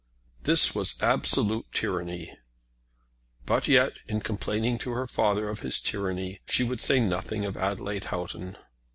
This was absolute tyranny. But yet in complaining to her father of his tyranny she would say nothing of Adelaide Houghton.